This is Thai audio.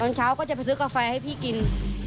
และก็ส่งนมปัง